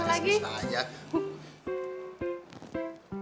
nggak usah nambah lagi